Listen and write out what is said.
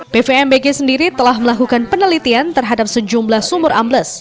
pvmbg sendiri telah melakukan penelitian terhadap sejumlah sumur ambles